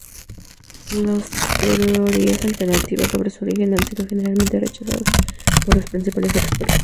Las teorías alternativas sobre su origen han sido generalmente rechazadas por los principales expertos.